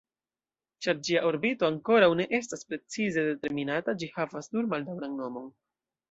Ĉar ĝia orbito ankoraŭ ne estas precize determinata, ĝi havas nur maldaŭran nomon.